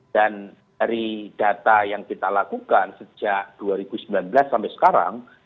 dan dari data yang kita lakukan sejak dua ribu sembilan belas sampai sekarang